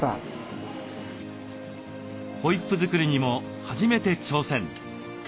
ホイップ作りにも初めて挑戦！